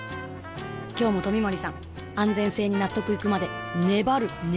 今日も冨森さん安全性に納得いくまで粘る粘る